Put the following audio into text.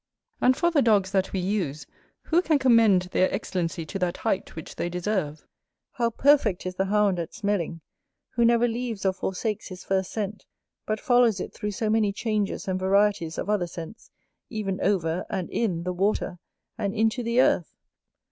And for the dogs that we use, who can commend their excellency to that height which they deserve? How perfect is the hound at smelling, who never leaves or forsakes his first scent, but follows it through so many changes and varieties of other scents, even over, and in, the water, and into the earth!